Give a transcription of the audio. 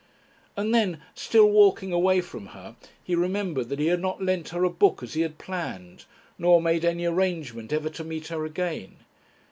And then, still walking away from her, he remembered that he had not lent her a book as he had planned, nor made any arrangement ever to meet her again.